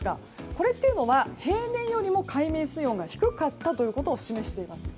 これっていうのは平年よりも海面水温が低かったことを示しています。